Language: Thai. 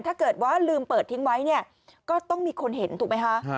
ถ้าเกิดว่าลืมเปิดทิ้งไว้เนี่ยก็ต้องมีคนเห็นถูกไหมคะ